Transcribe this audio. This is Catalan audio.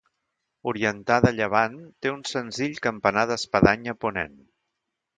Orientada a llevant, té un senzill campanar d'espadanya a ponent.